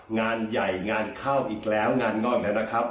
งานใหญ่งานเข้าอีกแล้วงานง่อนแล้วนะครับ